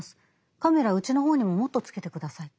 カメラうちの方にももっとつけて下さい。